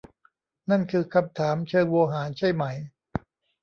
นั่นคือคำถามเชิงโวหารใช่ไหม ?